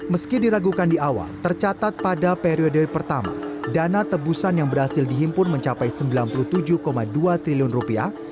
meski diragukan di awal tercatat pada periode pertama dana tebusan yang berhasil dihimpun mencapai sembilan puluh tujuh dua triliun rupiah